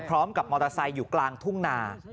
พร้อมกับมอเตอร์ไซค์อยู่กลางทุ่งนา